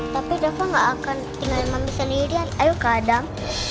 tapi rafa gak akan tinggalin mami sendiri ayo kak adam